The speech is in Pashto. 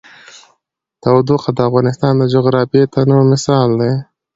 تودوخه د افغانستان د جغرافیوي تنوع مثال دی.